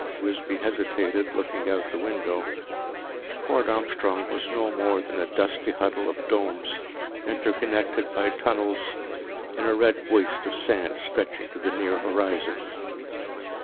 Wisby hesitated, looking out the window. Port Armstrong was no more than a dusty huddle of domes, interconnected by tunnels, in a red waste of sand stretching to the near horizon.